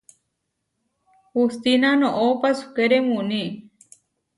Hustína noʼó pasúkere muní.